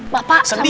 bapak sama inggris